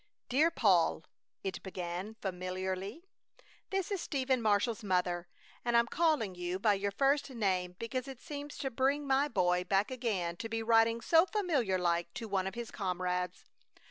DEAR PAUL [it began, familiarly]: This is Stephen Marshall's mother and I'm calling you by your first name because it seems to bring my boy back again to be writing so familiar like to one of his comrades.